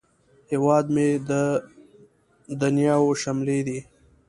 هیواد مې د نیاوو شملې دي